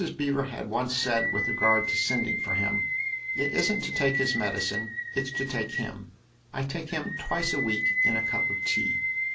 Beever had once said with regard to sending for him :" It isn't to take his medicine, it's to take him. I take him twice a week in a cup of tea."